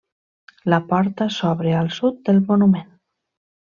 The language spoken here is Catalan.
La porta s'obre al sud del monument.